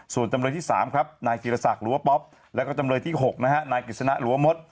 ส่วนจำเลยที่๓ครับนายจีรศักดิ์หรือว่าป๊อปแล้วก็จำเลยที่๖นะฮะนายกฤษณะหรือว่ามด